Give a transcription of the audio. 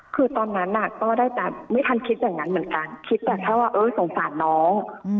คือตอนนั้นก็ได้แต่ไม่ทันคิดอย่างนั้นเหมือนกันคิดแต่แค่ว่าสงสารน้อง